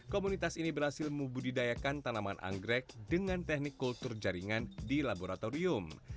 komunitas ini berhasil membudidayakan tanaman anggrek dengan teknik kultur jaringan di laboratorium